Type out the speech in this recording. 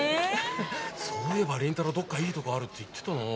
そういえば凛太郎どっかいいとこあるって言ってたな。